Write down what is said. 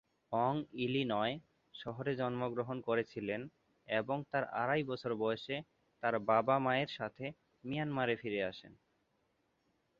অং Illinois শহরে জন্মগ্রহণ করেছিলেন এবং তার আড়াই বছর বয়সে তার বাবা-মায়ের সাথে মিয়ানমারে ফিরে আসেন।